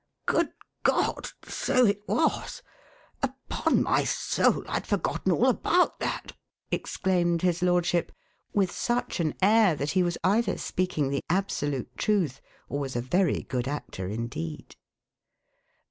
"Good God! So it was. Upon my soul, I'd forgotten all about that!" exclaimed his lordship with such an air that he was either speaking the absolute truth or was a very good actor indeed.